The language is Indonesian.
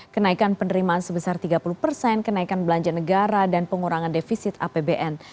kenaikan penerimaan sebesar tiga puluh persen kenaikan belanja negara dan pengurangan defisit apbn